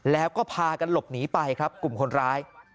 แล้วก็พากันหลบหนีไปครับกลุ่มคนร้าย